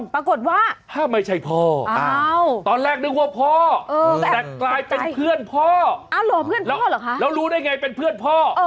ปรากฏว่าถ้าไม่ใช่พ่อตอนแรกนึกว่าพ่อแต่กลายเป็นเพื่อนพ่อเหรอคะแล้วรู้ได้ไงเป็นเพื่อนพ่อ